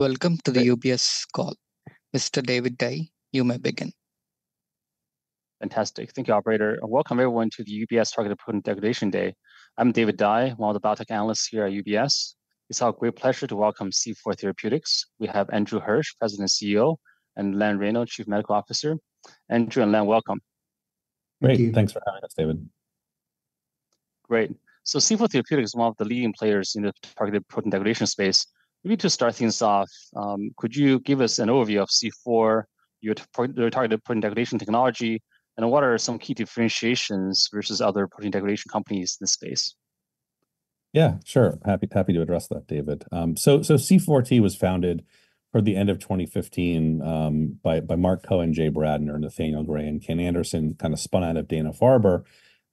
Welcome to the UBS call. Mr. David Dai, you may begin. Fantastic. Thank you, operator, and welcome everyone to the UBS Targeted Protein Degradation Day. I'm David Dai, one of the biotech analysts here at UBS. It's our great pleasure to welcome C4 Therapeutics. We have Andrew Hirsch, President and CEO, and Len Reyno, Chief Medical Officer. Andrew and Len, welcome. Great. Thank you. Thanks for having us, David. Great. So C4 Therapeutics is one of the leading players in the targeted protein degradation space. Maybe to start things off, could you give us an overview of C4, your targeted protein degradation technology, and what are some key differentiations versus other protein degradation companies in this space? Yeah, sure. Happy to address that, David. So, C4T was founded toward the end of 2015, by Marc Cohen, Jay Bradner, Nathaniel Gray, and Ken Anderson, kind of spun out of Dana-Farber,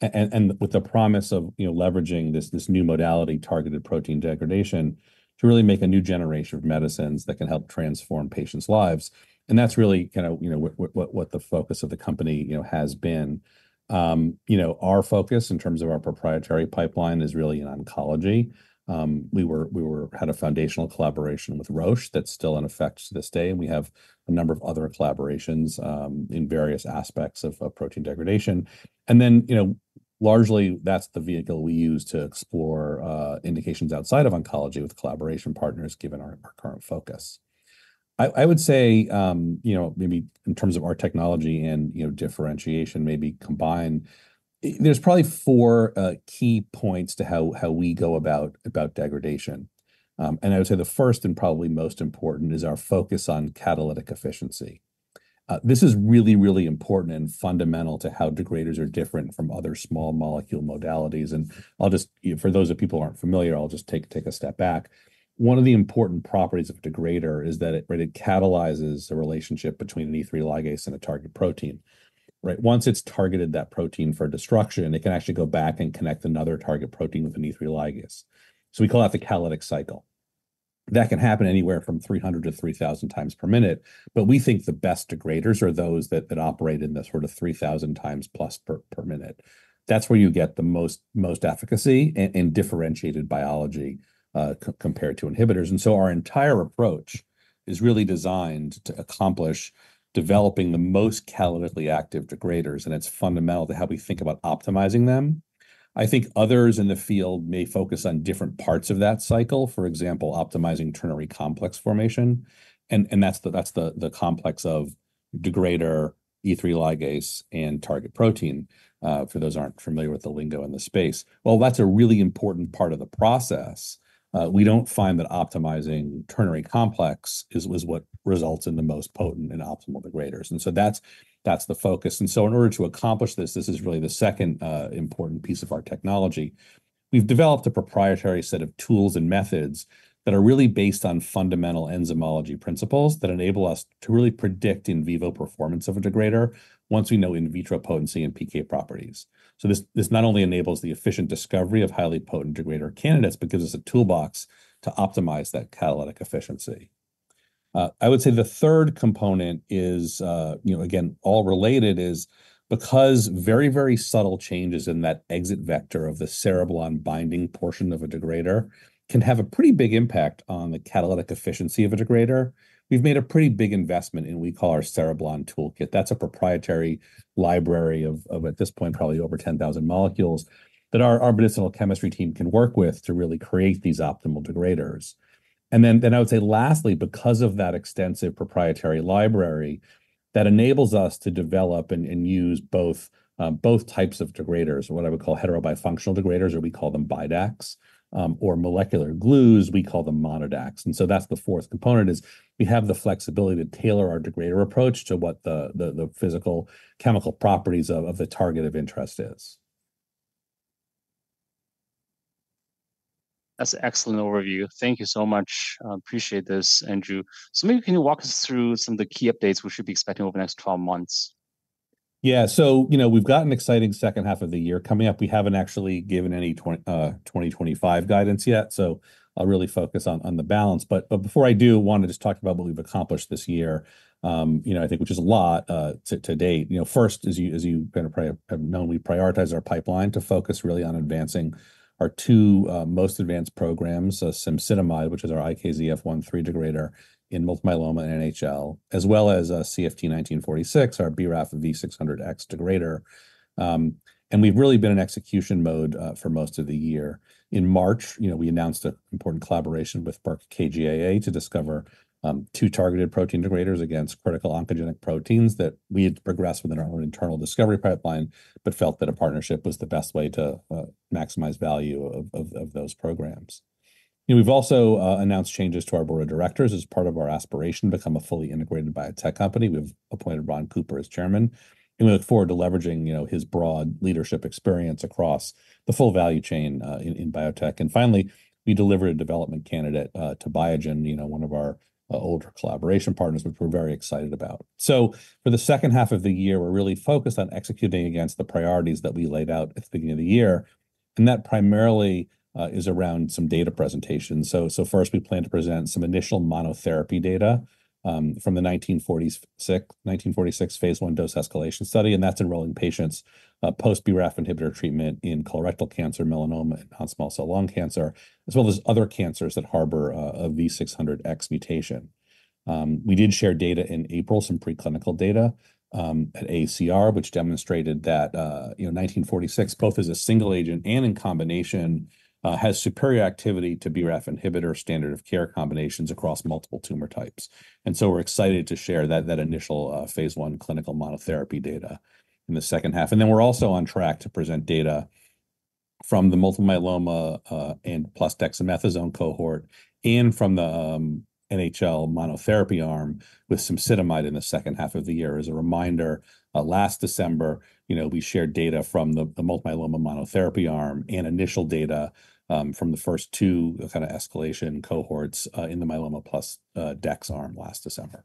and with the promise of, you know, leveraging this new modality, targeted protein degradation, to really make a new generation of medicines that can help transform patients' lives. And that's really kind of, you know, what the focus of the company, you know, has been. You know, our focus in terms of our proprietary pipeline is really in oncology. We had a foundational collaboration with Roche that's still in effect to this day, and we have a number of other collaborations in various aspects of protein degradation. Then, you know, largely, that's the vehicle we use to explore indications outside of oncology with collaboration partners, given our current focus. I would say, you know, maybe in terms of our technology and, you know, differentiation maybe combined, there's probably four key points to how we go about degradation. I would say the first and probably most important is our focus on catalytic efficiency. This is really, really important and fundamental to how degraders are different from other small molecule modalities, and I'll just... For those of you people who aren't familiar, I'll just take a step back. One of the important properties of a degrader is that it, right, it catalyzes the relationship between an E3 ligase and a target protein, right? Once it's targeted that protein for destruction, it can actually go back and connect another target protein with an E3 ligase. So we call that the catalytic cycle. That can happen anywhere from 300 to 3,000 times per minute, but we think the best degraders are those that operate in the sort of 3,000 times-plus per minute. That's where you get the most efficacy and differentiated biology compared to inhibitors. And so our entire approach is really designed to accomplish developing the most catalytically active degraders, and it's fundamental to how we think about optimizing them. I think others in the field may focus on different parts of that cycle, for example, optimizing ternary complex formation, and that's the complex of degrader, E3 ligase, and target protein, for those who aren't familiar with the lingo in the space. Well, that's a really important part of the process. We don't find that optimizing ternary complex is what results in the most potent and optimal degraders, and so that's the focus. And so in order to accomplish this, this is really the second important piece of our technology. We've developed a proprietary set of tools and methods that are really based on fundamental enzymology principles that enable us to really predict in vivo performance of a degrader once we know in vitro potency and PK properties. So this, this not only enables the efficient discovery of highly potent degrader candidates but gives us a toolbox to optimize that catalytic efficiency. I would say the third component is, you know, again, all related, is because very, very subtle changes in that exit vector of the Cereblon binding portion of a degrader can have a pretty big impact on the catalytic efficiency of a degrader. We've made a pretty big investment in what we call our Cereblon Toolkit. That's a proprietary library of, at this point, probably over 10,000 molecules that our medicinal chemistry team can work with to really create these optimal degraders. And then I would say, lastly, because of that extensive proprietary library, that enables us to develop and use both types of degraders, or what I would call heterobifunctional degraders, or we call them BiDACs, or molecular glues, we call them MonoDACs. And so that's the fourth component, is we have the flexibility to tailor our degrader approach to what the physical, chemical properties of the target of interest is. That's an excellent overview. Thank you so much. Appreciate this, Andrew. So maybe can you walk us through some of the key updates we should be expecting over the next 12 months? Yeah. So, you know, we've got an exciting second half of the year coming up. We haven't actually given any 2025 guidance yet, so I'll really focus on the balance. But before I do, I want to just talk about what we've accomplished this year, you know, I think, which is a lot, to date. You know, first, as you kind of probably have known, we prioritize our pipeline to focus really on advancing our two most advanced programs, so cemsidomide, which is our IKZF1/3 degrader in multiple myeloma and NHL, as well as CFT1946, our BRAF V600X degrader. And we've really been in execution mode for most of the year. In March, you know, we announced an important collaboration with Merck KGaA to discover two targeted protein degraders against critical oncogenic proteins that we had progressed within our own internal discovery pipeline but felt that a partnership was the best way to maximize value of those programs. You know, we've also announced changes to our board of directors as part of our aspiration to become a fully integrated biotech company. We've appointed Ron Cooper as chairman, and we look forward to leveraging, you know, his broad leadership experience across the full value chain in biotech. And finally, we delivered a development candidate to Biogen, you know, one of our older collaboration partners, which we're very excited about. For the second half of the year, we're really focused on executing against the priorities that we laid out at the beginning of the year.... and that primarily is around some data presentation. So, first, we plan to present some initial monotherapy data from the 1946, 1946 phase I dose escalation study, and that's enrolling patients post BRAF inhibitor treatment in colorectal cancer, melanoma, and non-small cell lung cancer, as well as other cancers that harbor a V600X mutation. We did share data in April, some preclinical data at AACR, which demonstrated that, you know, 1946, both as a single agent and in combination has superior activity to BRAF inhibitor standard of care combinations across multiple tumor types. And so we're excited to share that initial phase I clinical monotherapy data in the second half. And then we're also on track to present data from the multiple myeloma and plus dexamethasone cohort and from the NHL monotherapy arm with cemsidomide in the second half of the year. As a reminder, last December, you know, we shared data from the multiple myeloma monotherapy arm and initial data from the first two kind of escalation cohorts in the myeloma plus dex arm last December.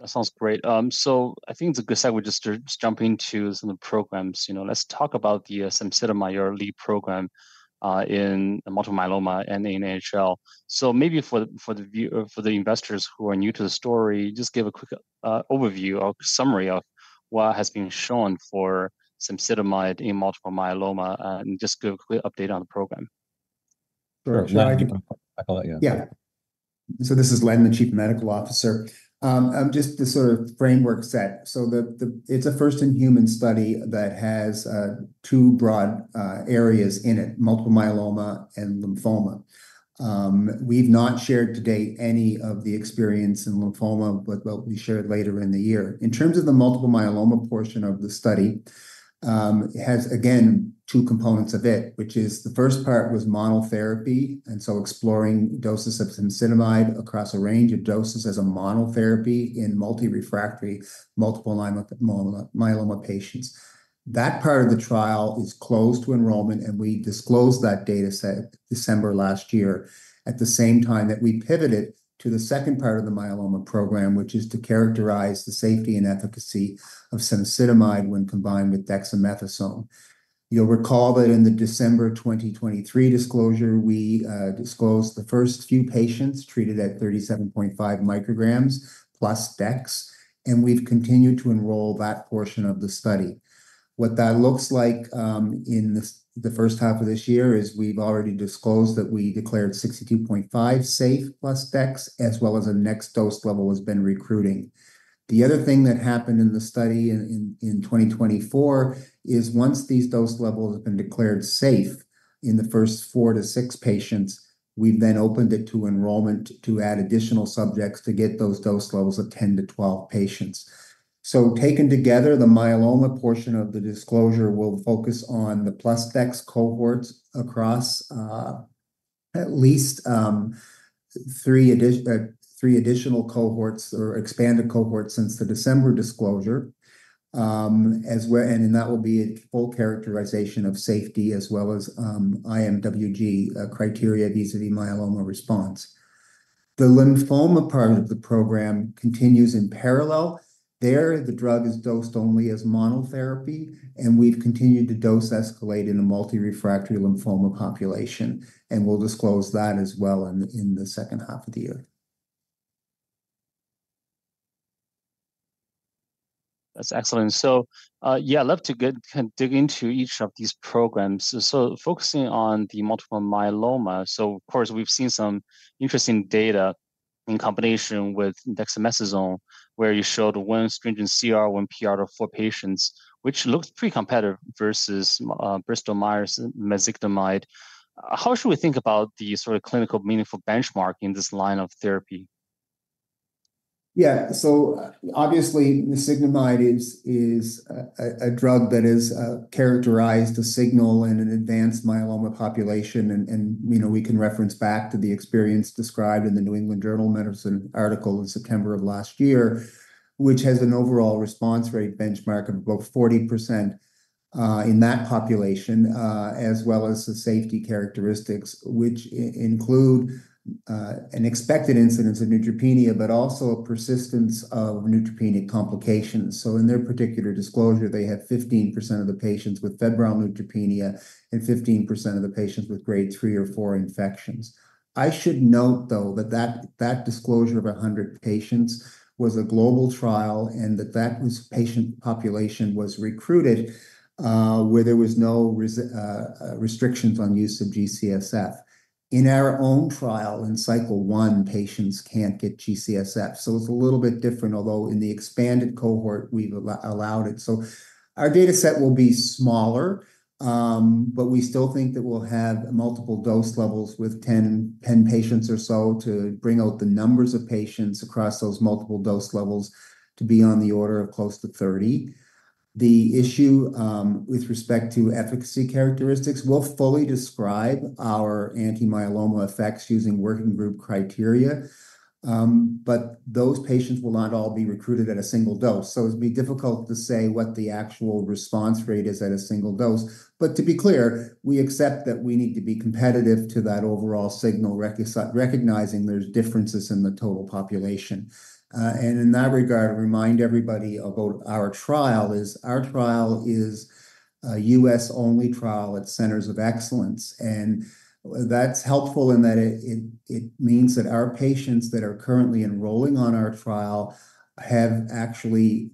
That sounds great. So I think it's a good start. We'll just jump into some of the programs. You know, let's talk about the cemsidomide or lead program in the multiple myeloma and the NHL. So maybe for the investors who are new to the story, just give a quick overview or summary of what has been shown for cemsidomide in multiple myeloma, and just give a quick update on the program. Sure. I can- I call on you. Yeah. So this is Len, the Chief Medical Officer. Just to sort of framework set, it's a first-in-human study that has two broad areas in it, multiple myeloma and lymphoma. We've not shared to date any of the experience in lymphoma, but we'll share it later in the year. In terms of the multiple myeloma portion of the study, it has, again, two components of it, which is the first part was monotherapy, and so exploring doses of cemsidomide across a range of doses as a monotherapy in multi-refractory, multiple myeloma, myeloma patients. That part of the trial is closed to enrollment, and we disclosed that dataset December last year, at the same time that we pivoted to the second part of the myeloma program, which is to characterize the safety and efficacy of cemsidomide when combined with dexamethasone. You'll recall that in the December 2023 disclosure, we disclosed the first few patients treated at 37.5 micrograms plus dex, and we've continued to enroll that portion of the study. What that looks like in the first half of this year is we've already disclosed that we declared 62.5 safe plus dex, as well as a next dose level has been recruiting. The other thing that happened in the study in 2024 is once these dose levels have been declared safe in the first four to six patients, we've then opened it to enrollment to add additional subjects to get those dose levels of 10 to 12 patients. So taken together, the myeloma portion of the disclosure will focus on the plus dex cohorts across at least three additional cohorts or expanded cohorts since the December disclosure, as well, and that will be a full characterization of safety as well as IMWG criteria vis-à-vis myeloma response. The lymphoma part of the program continues in parallel. There, the drug is dosed only as monotherapy, and we've continued to dose escalate in a multi-refractory lymphoma population, and we'll disclose that as well in the second half of the year. That's excellent. So, yeah, I'd love to get, kind of dig into each of these programs. So focusing on the multiple myeloma, so of course, we've seen some interesting data in combination with dexamethasone, where you showed 1 stringent CR, 1 PR of 4 patients, which looks pretty competitive versus Bristol Myers' mezigdomide. How should we think about the sort of clinically meaningful benchmark in this line of therapy? Yeah. So obviously, mezigdomide is a drug that is characterized a signal in an advanced myeloma population, and you know, we can reference back to the experience described in the New England Journal of Medicine article in September of last year, which has an overall response rate benchmark of about 40%, in that population, as well as the safety characteristics, which include an expected incidence of neutropenia, but also a persistence of neutropenic complications. So in their particular disclosure, they had 15% of the patients with febrile neutropenia and 15% of the patients with Grade three or four infections. I should note, though, that that disclosure of 100 patients was a global trial, and that that patient population was recruited where there was no restrictions on use of G-CSF. In our own trial, in cycle one, patients can't get G-CSF, so it's a little bit different, although in the expanded cohort, we've allowed it. So our dataset will be smaller, but we still think that we'll have multiple dose levels with 10, 10 patients or so to bring out the numbers of patients across those multiple dose levels to be on the order of close to 30. The issue, with respect to efficacy characteristics, we'll fully describe our anti-myeloma effects using working group criteria, but those patients will not all be recruited at a single dose. So it'd be difficult to say what the actual response rate is at a single dose. But to be clear, we accept that we need to be competitive to that overall signal, recognizing there's differences in the total population. In that regard, remind everybody about our trial, a U.S.-only trial at Centers of Excellence, and that's helpful in that it means that our patients that are currently enrolling on our trial are actually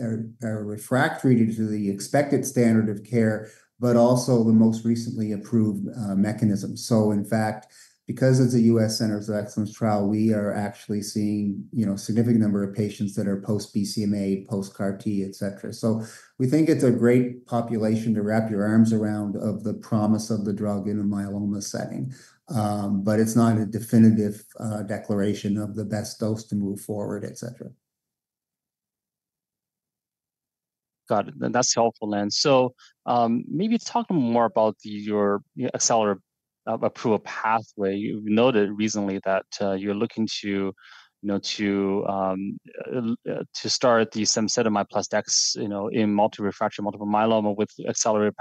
refractory to the expected standard of care, but also the most recently approved mechanism. So in fact, because it's a US Centers of Excellence trial, we are actually seeing, you know, a significant number of patients that are post-BCMA, post-CAR T, et cetera. So we think it's a great population to wrap your arms around of the promise of the drug in a myeloma setting. But it's not a definitive declaration of the best dose to move forward, et cetera. Got it. That's helpful, then. So, maybe talk more about your accelerated approval pathway. You noted recently that, you're looking to, you know, to start the cemsidomide plus Dex, you know, in refractory multiple myeloma with accelerated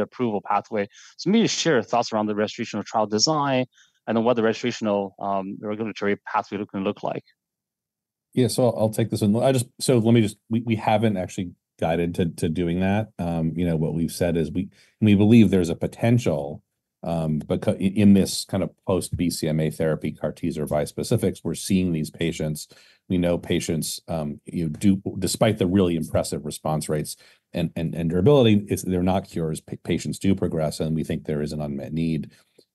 approval pathway. So maybe share your thoughts around the registrational trial design and then what the registrational regulatory pathway can look like. Yeah, so I'll take this one. So let me just. We haven't actually guided to doing that. You know, what we've said is we believe there's a potential in this kind of post-BCMA therapy, CAR Ts or bispecifics, we're seeing these patients. We know patients do, despite the really impressive response rates and durability, it's they're not cures. Patients do progress, and we think there is an unmet need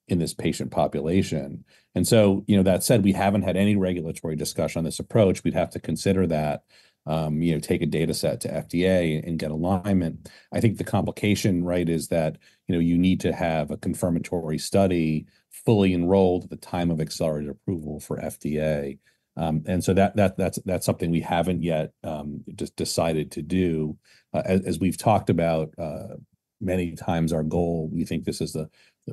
in this patient population. And so, you know, that said, we haven't had any regulatory discussion on this approach. We'd have to consider that, you know, take a data set to FDA and get alignment. I think the complication, right, is that, you know, you need to have a confirmatory study fully enrolled at the time of accelerated approval for FDA. And so that's something we haven't yet just decided to do. As we've talked about many times, our goal, we think this is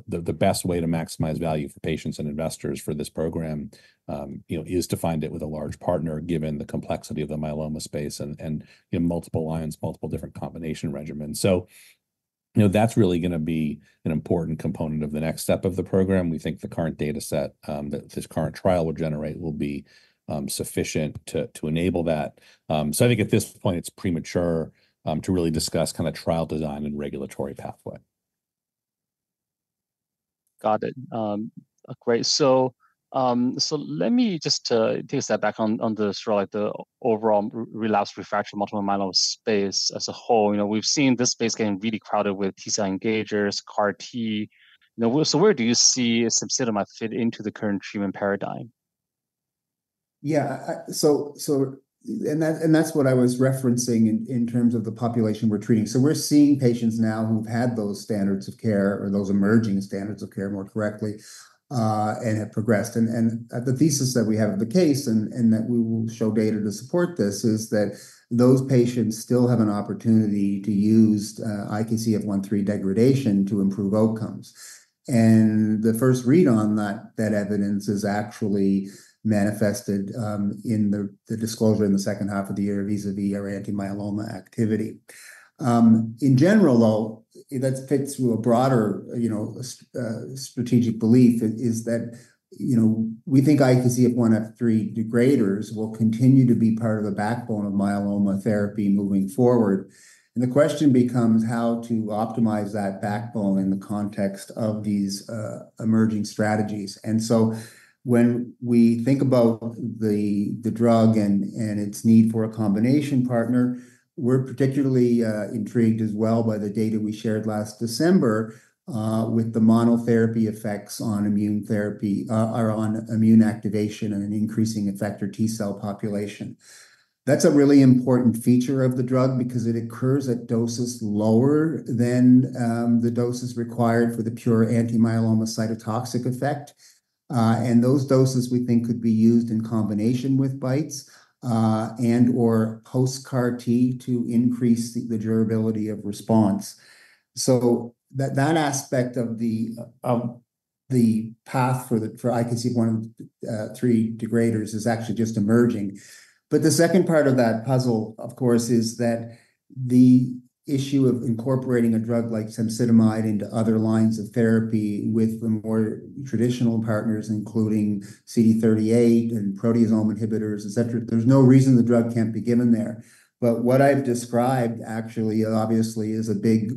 the best way to maximize value for patients and investors for this program, you know, is to find it with a large partner, given the complexity of the myeloma space and in multiple lines, multiple different combination regimens. So, you know, that's really gonna be an important component of the next step of the program. We think the current data set that this current trial will generate will be sufficient to enable that. So I think at this point, it's premature to really discuss kind of trial design and regulatory pathway. Got it. Okay, so let me just take a step back on the sort of like the overall relapsed refractory multiple myeloma space as a whole. You know, we've seen this space getting really crowded with T-cell engagers, CAR T. Now, so where do you see cemsidomide fit into the current treatment paradigm? Yeah, so... And that's what I was referencing in terms of the population we're treating. So we're seeing patients now who've had those standards of care or those emerging standards of care, more correctly, and have progressed. And the thesis that we have of the case, and that we will show data to support this, is that those patients still have an opportunity to use IKZF1/3 degradation to improve outcomes. And the first read on that evidence is actually manifested in the disclosure in the second half of the year vis-à-vis our anti-myeloma activity. In general, though, that fits with a broader, you know, strategic belief that, you know, we think IKZF1/3 degraders will continue to be part of the backbone of myeloma therapy moving forward. And the question becomes how to optimize that backbone in the context of these emerging strategies. And so when we think about the drug and its need for a combination partner, we're particularly intrigued as well by the data we shared last December with the monotherapy effects on immunotherapy or on immune activation and an increasing effector T cell population. That's a really important feature of the drug because it occurs at doses lower than the doses required for the pure anti-myeloma cytotoxic effect. And those doses, we think, could be used in combination with BiTEs and/or post-CAR T to increase the durability of response. So that aspect of the path for the IKZF1/3 degraders is actually just emerging. But the second part of that puzzle, of course, is that the issue of incorporating a drug like cemsidomide into other lines of therapy with the more traditional partners, including CD38 and proteasome inhibitors, et cetera, there's no reason the drug can't be given there. But what I've described actually, obviously, is a big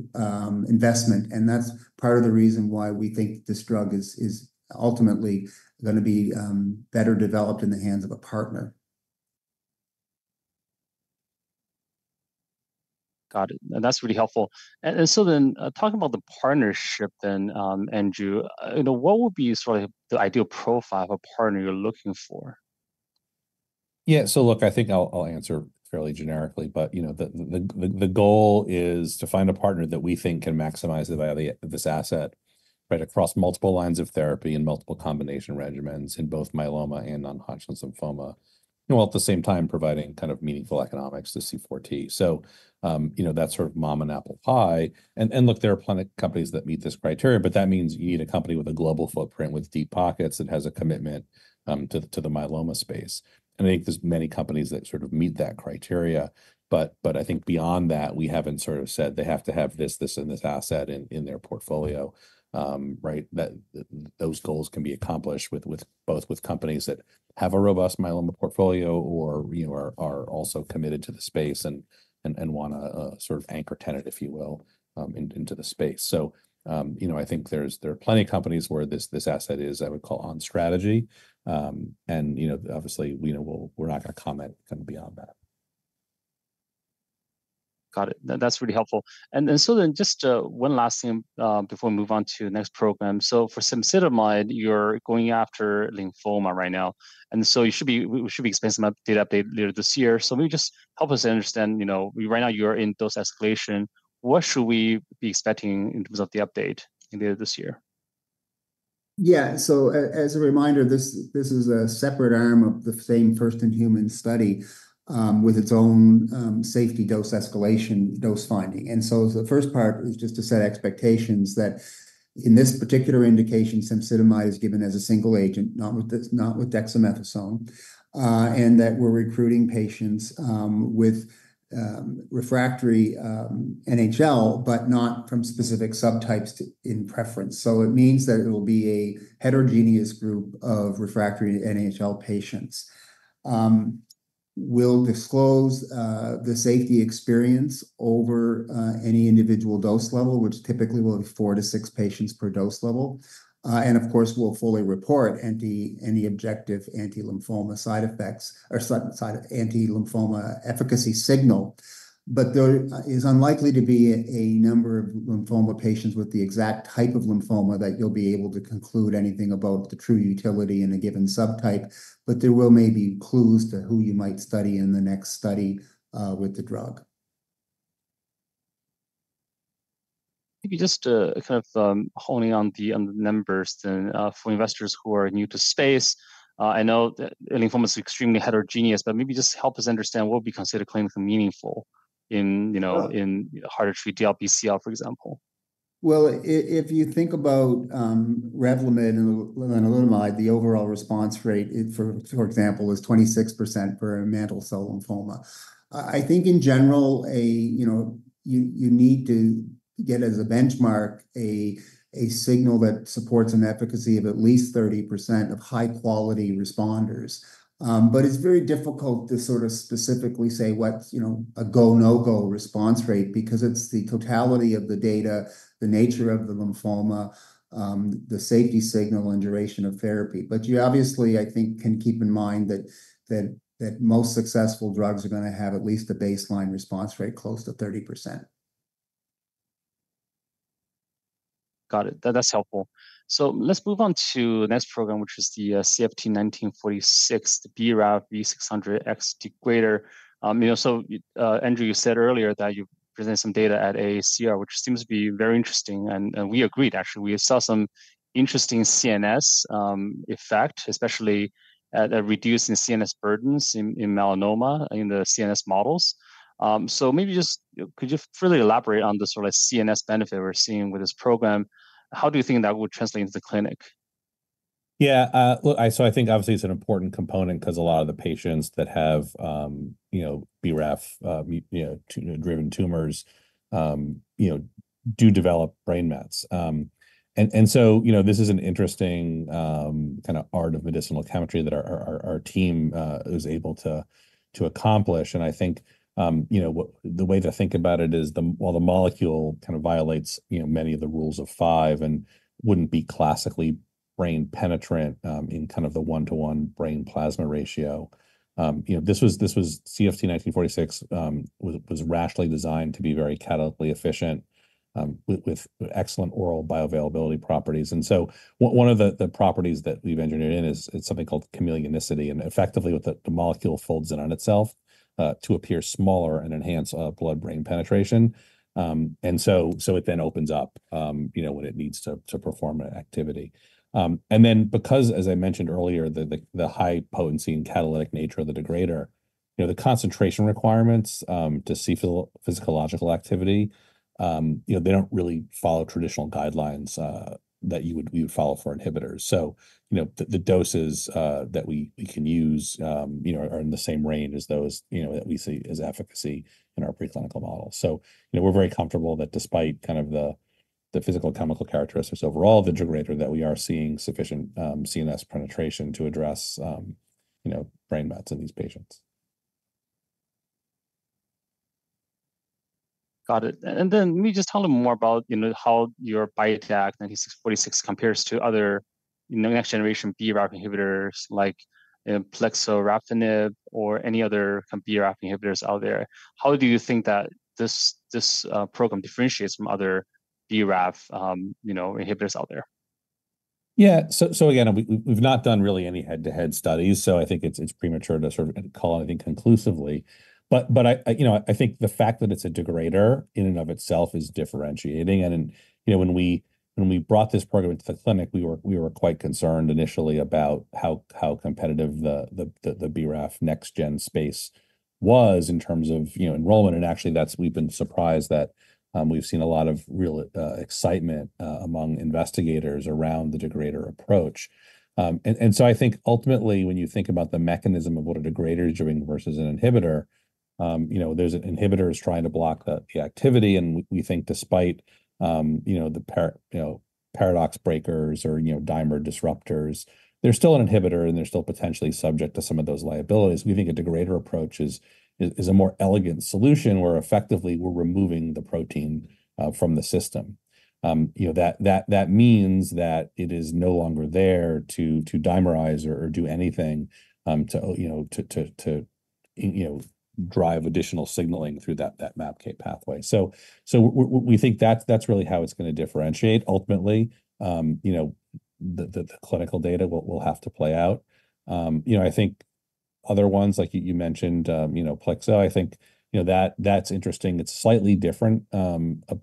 investment, and that's part of the reason why we think this drug is ultimately gonna be better developed in the hands of a partner. Got it. And that's really helpful. So then, talking about the partnership then, Andrew, you know, what would be sort of the ideal profile of a partner you're looking for? Yeah. So look, I think I'll answer fairly generically, but you know, the goal is to find a partner that we think can maximize the value of this asset, right, across multiple lines of therapy and multiple combination regimens in both myeloma and non-Hodgkin's lymphoma, while at the same time providing kind of meaningful economics to C4T. So, you know, that's sort of mom and apple pie. And look, there are plenty of companies that meet this criteria, but that means you need a company with a global footprint, with deep pockets, and has a commitment to the myeloma space. And I think there's many companies that sort of meet that criteria, but I think beyond that, we haven't sort of said they have to have this, this, and this asset in their portfolio. Right? That those goals can be accomplished with both companies that have a robust myeloma portfolio or, you know, are also committed to the space and wanna sort of anchor tenet, if you will, into the space. So, you know, I think there are plenty of companies where this asset is, I would call on strategy. And, you know, obviously, we're not gonna comment kind of beyond that. ... Got it. That, that's really helpful. And then, so then just, one last thing, before we move on to the next program. So for cemsidomide, you're going after lymphoma right now, and so you should be- we should be expecting some data update later this year. So let me just help us understand, you know, right now you're in dose escalation, what should we be expecting in terms of the update in the end of this year? Yeah. So as a reminder, this is a separate arm of the same first-in-human study, with its own safety dose escalation, dose finding. So the first part is just to set expectations that in this particular indication, cemsidomide is given as a single agent, not with this, not with dexamethasone, and that we're recruiting patients with refractory NHL, but not from specific subtypes to in preference. So it means that it will be a heterogeneous group of refractory NHL patients. We'll disclose the safety experience over any individual dose level, which typically will be four to six patients per dose level. And of course, we'll fully report any objective anti-lymphoma side effects or anti-lymphoma efficacy signal. But there is unlikely to be a number of lymphoma patients with the exact type of lymphoma that you'll be able to conclude anything about the true utility in a given subtype, but there will may be clues to who you might study in the next study with the drug. Maybe just to kind of hone in on the numbers then for investors who are new to space. I know that non-Hodgkin lymphoma is extremely heterogeneous, but maybe just help us understand what would be considered clinically meaningful in, you know- Uh... in harder to treat DLBCL, for example. Well, if you think about Revlimid and lenalidomide, the overall response rate, for example, is 26% for mantle cell lymphoma. I think in general, you know, you need to get as a benchmark a signal that supports an efficacy of at least 30% of high-quality responders. But it's very difficult to sort of specifically say what's, you know, a go, no-go response rate, because it's the totality of the data, the nature of the lymphoma, the safety signal, and duration of therapy. But you obviously, I think, can keep in mind that most successful drugs are gonna have at least a baseline response rate close to 30%. Got it. That, that's helpful. So let's move on to the next program, which is the CFT1946, the BRAF V600X degrader. You know, Andrew, you said earlier that you presented some data at AACR, which seems to be very interesting, and, and we agreed, actually. We saw some interesting CNS effect, especially at reducing CNS burdens in melanoma, in the CNS models. Maybe just, could you further elaborate on the sort of CNS benefit we're seeing with this program? How do you think that would translate into the clinic? Yeah, look, So I think obviously it's an important component 'cause a lot of the patients that have, you know, BRAF-driven tumors, you know, do develop brain mets. And so, you know, this is an interesting kind of art of medicinal chemistry that our team is able to accomplish. And I think, you know what? The way to think about it is, while the molecule kind of violates, you know, many of the rules of five and wouldn't be classically brain penetrant, in kind of the one-to-one brain plasma ratio, you know, this was CFT1946, was rationally designed to be very catalytically efficient, with excellent oral bioavailability properties. And so one of the properties that we've engineered in is, it's something called chameleonicity, and effectively, with the molecule folds in on itself to appear smaller and enhance blood-brain penetration. And so it then opens up, you know, when it needs to, to perform an activity. And then because, as I mentioned earlier, the high potency and catalytic nature of the degrader, you know, the concentration requirements to see physiological activity, you know, they don't really follow traditional guidelines that we would follow for inhibitors. So, you know, the doses that we can use, you know, are in the same range as those, you know, that we see as efficacy in our preclinical model. You know, we're very comfortable that despite kind of the physical, chemical characteristics overall of the degrader, that we are seeing sufficient CNS penetration to address you know, brain mets in these patients. Got it. And then let me just tell them more about, you know, how your CFT1946 compares to other, you know, next-generation BRAF inhibitors, like PLX8394 or any other BRAF inhibitors out there. How do you think that this program differentiates from other BRAF inhibitors out there? Yeah. So again, we've not done really any head-to-head studies, so I think it's premature to sort of call anything conclusively. But I, you know, I think the fact that it's a degrader in and of itself is differentiating. And you know, when we brought this program into the clinic, we were quite concerned initially about how competitive the BRAF next gen space was in terms of, you know, enrollment. And actually, that's, we've been surprised that we've seen a lot of real excitement among investigators around the degrader approach. So I think ultimately when you think about the mechanism of what a degrader is doing versus an inhibitor, you know, there's an inhibitor is trying to block the, the activity, and we, we think despite, you know, the paradox breakers or, you know, dimer disruptors, they're still an inhibitor, and they're still potentially subject to some of those liabilities. We think a degrader approach is a more elegant solution, where effectively, we're removing the protein from the system. You know, that means that it is no longer there to dimerize or do anything, to you know drive additional signaling through that MAPK pathway. So we think that's really how it's going to differentiate ultimately. You know, the clinical data will have to play out. You know, I think other ones, like you mentioned, you know, Plexo, I think, you know, that's interesting. It's slightly different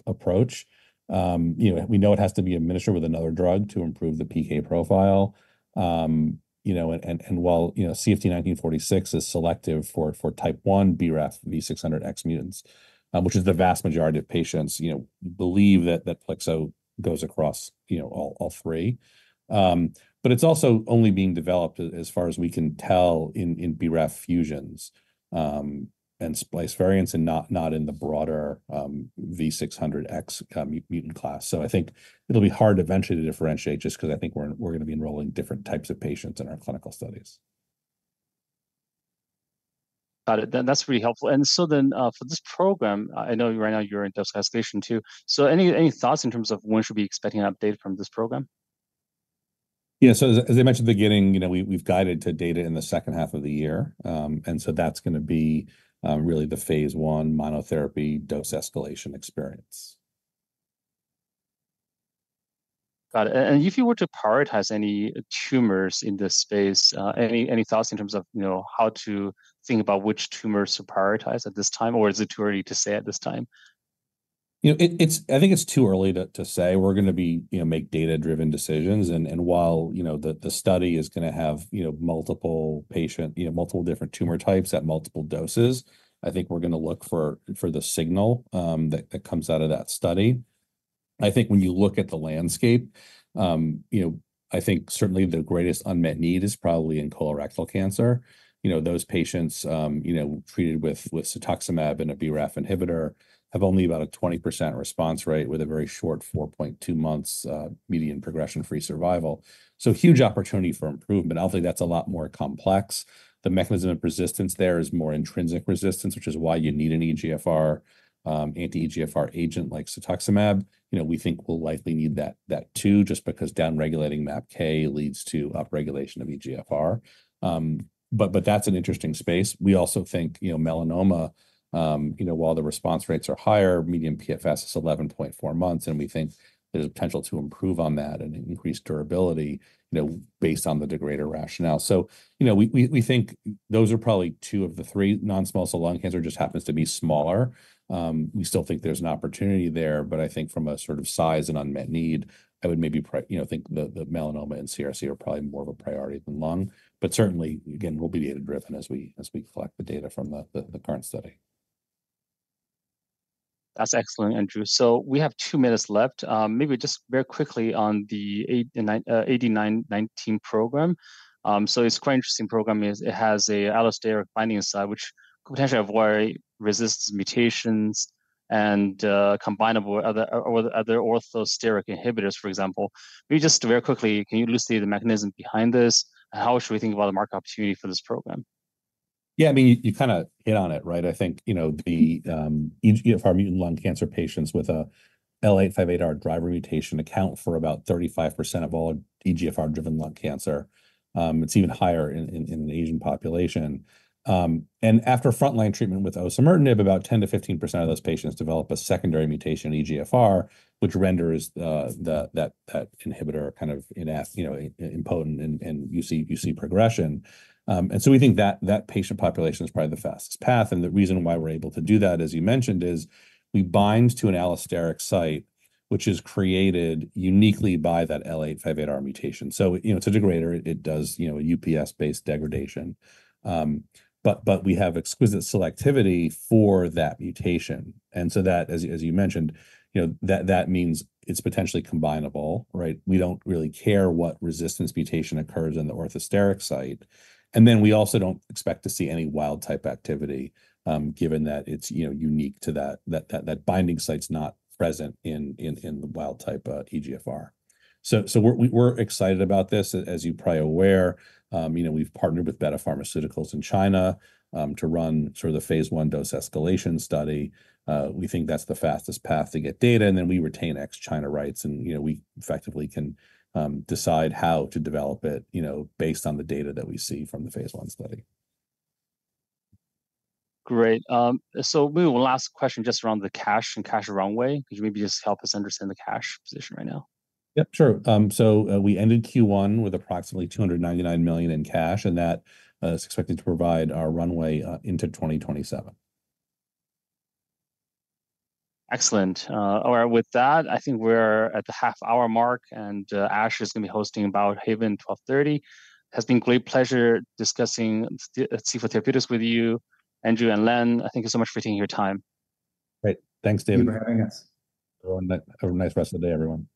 approach. You know, we know it has to be administered with another drug to improve the PK profile. You know, and while, you know, CFT1946 is selective for type one BRAF V600X mutants, which is the vast majority of patients, you know, believe that Plexo goes across, you know, all three. But it's also only being developed, as far as we can tell, in BRAF fusions and splice variants, and not in the broader V600X mutant class. I think it'll be hard eventually to differentiate, just 'cause I think we're going to be enrolling different types of patients in our clinical studies. Got it. Then that's really helpful. And so then, for this program, I know right now you're in dose escalation, too. So any thoughts in terms of when we should be expecting an update from this program? Yeah. So as, as I mentioned at the beginning, you know, we, we've guided to data in the second half of the year. And so that's going to be really the phase 1 monotherapy dose escalation experience. Got it. And if you were to prioritize any tumors in this space, any thoughts in terms of, you know, how to think about which tumors to prioritize at this time, or is it too early to say at this time? You know, I think it's too early to say. We're going to, you know, make data-driven decisions. And while, you know, the study is going to have, you know, multiple patients. You know, multiple different tumor types at multiple doses, I think we're going to look for the signal that comes out of that study. I think when you look at the landscape, you know, I think certainly the greatest unmet need is probably in colorectal cancer. You know, those patients, you know, treated with cetuximab and a BRAF inhibitor, have only about a 20% response rate, with a very short 4.2 months median progression-free survival. So huge opportunity for improvement. I think that's a lot more complex. The mechanism of resistance there is more intrinsic resistance, which is why you need an EGFR, anti-EGFR agent like cetuximab. You know, we think we'll likely need that, that too, just because down-regulating MAPK leads to upregulation of EGFR. But, but that's an interesting space. We also think, you know, melanoma, you know, while the response rates are higher, median PFS is 11.4 months, and we think there's potential to improve on that and increase durability, you know, based on the degrader rationale. So, you know, we think those are probably two of the three. Non-small cell lung cancer just happens to be smaller. We still think there's an opportunity there, but I think from a sort of size and unmet need, I would maybe, you know, think the, the melanoma and CRC are probably more of a priority than lung. But certainly, again, we'll be data-driven as we collect the data from the current study. That's excellent, Andrew. So we have two minutes left. Maybe just very quickly on the CFT8919 program. So it's quite interesting program, is it has a allosteric binding site, which could potentially avoid resistance mutations and, combinable with other, or with other orthosteric inhibitors, for example. Maybe just very quickly, can you elucidate the mechanism behind this? How should we think about the market opportunity for this program? Yeah, I mean, you kind of hit on it, right? I think, you know, the EGFR mutant lung cancer patients with a L858R driver mutation account for about 35% of all EGFR-driven lung cancer. It's even higher in the Asian population. And after frontline treatment with osimertinib, about 10%-15% of those patients develop a secondary mutation, EGFR, which renders that inhibitor kind of impotent, and you see progression. And so we think that patient population is probably the fastest path, and the reason why we're able to do that, as you mentioned, is we bind to an allosteric site, which is created uniquely by that L858R mutation. So you know, it's a degrader. It does, you know, UPS-based degradation. But we have exquisite selectivity for that mutation, and so that, as you mentioned, you know, that means it's potentially combinable, right? We don't really care what resistance mutation occurs in the orthosteric site. And then we also don't expect to see any wild-type activity, given that it's, you know, unique to that. That binding site's not present in the wild-type EGFR. So we're excited about this. As you're probably aware, you know, we've partnered with Betta Pharmaceuticals in China to run sort of the phase I dose escalation study. We think that's the fastest path to get data, and then we retain ex-China rights, and, you know, we effectively can decide how to develop it, you know, based on the data that we see from the phase 1 study. Great. Maybe one last question just around the cash and cash runway, could you maybe just help us understand the cash position right now? Yeah, sure. So, we ended Q1 with approximately $299 million in cash, and that is expected to provide our runway into 2027. Excellent. All right, with that, I think we're at the half-hour mark, and Ash is going to be hosting Biohaven 12:30. It has been a great pleasure discussing C4 Therapeutics with you, Andrew and Len. Thank you so much for taking your time. Great. Thanks, David. Thank you for having us. Have a nice rest of the day, everyone.